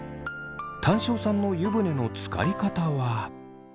タン塩さんの湯船のつかり方は。